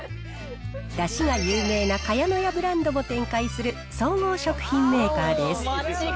だしが有名な茅乃舎ブランドも展開する総合食品メーカーです。